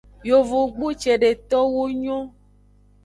Yovogbu ce:detowo nyon.